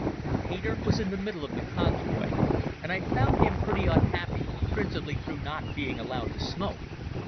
Peter was in the middle of the convoy, and I found him pretty unhappy, principally through not being allowed to smoke.